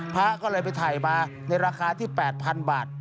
พระก็เลยไปถ่ายมาในราคาที่๘๐๐๐บาท